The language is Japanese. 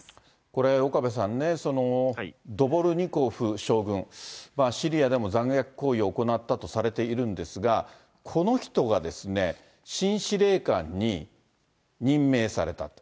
これ、岡部さんね、ドボルニコフ将軍、シリアでも残虐行為を行ったとされているんですが、この人が、新司令官に任命されたと。